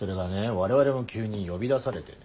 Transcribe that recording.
我々も急に呼び出されてね。